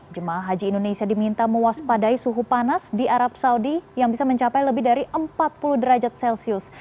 jemaah haji indonesia diminta mewaspadai suhu panas di arab saudi yang bisa mencapai lebih dari empat puluh derajat celcius